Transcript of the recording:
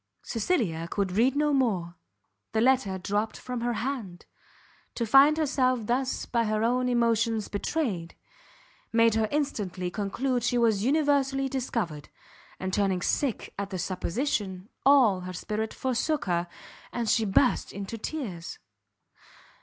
Cecilia could read no more; the letter dropt from her hand; to find herself thus by her own emotions betrayed, made her instantly conclude she was universally discovered; and turning sick at the supposition, all her spirit forsook her, and she burst into tears.